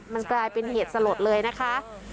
มันกลายเป็นเหตุสลดเลยนะคะ